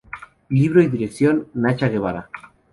Libro y Dirección: Nacha Guevara.